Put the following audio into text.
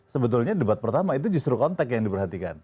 sebetulnya debat pertama itu justru kontek yang diperhatikan